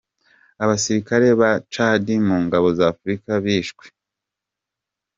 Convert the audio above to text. Abasirikare ba Tchad mu ngabo z’Afurika bishwe.